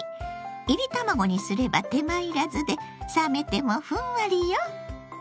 いり卵にすれば手間いらずで冷めてもふんわりよ。